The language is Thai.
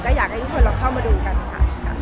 อยากให้ทุกคนเราเข้ามาดูกันค่ะ